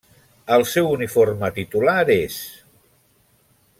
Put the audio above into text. El seu uniforme titular és: